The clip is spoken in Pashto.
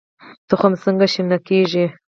تخم څنګه شنه کیږي؟